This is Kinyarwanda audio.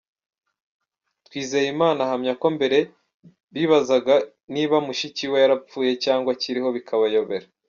Twizeyimana ahamya ko mbere bibazaga niba mushikiwe yarapfuye cyangwa akiriho bikabayobera.